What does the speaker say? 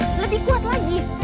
tangan lebih kuat lagi